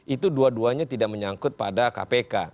itu dua duanya tidak menyangkut pada kpk